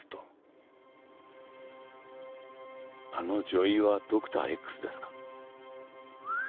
あの女医はドクターＸですか？